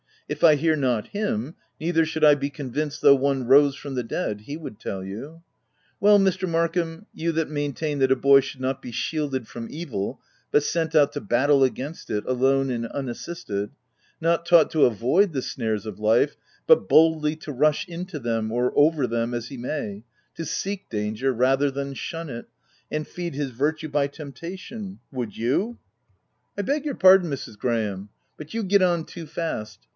If I hear not him, neither should I be convinced though one rose from the dead, he would tell you. — Well Mr. Markham, you that maintain that a boy should not be shielded from evil, but sent out to battle against it, alone and unassisted — not taught to avoid the snares of life, but boldly to rush into them, or over them, as he may — to seek danger rather than shun it, and feed his virtue by temptation, — would you —"" I De g your pardon, Mrs. Graham — but you OF WILDFELL HALL. 55 get on too fast.